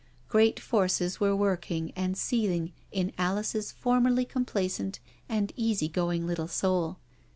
Great forces wrtr% working and seething in Alice's formerly complacent and easygoing little soul.